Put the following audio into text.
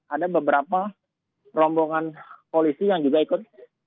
ada beberapa rombongan polisi yang juga ikut